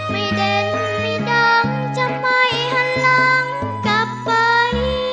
เด่นไม่ดังจะไม่หันหลังกลับไป